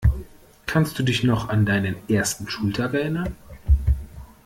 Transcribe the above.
Kannst du dich noch an deinen ersten Schultag erinnern?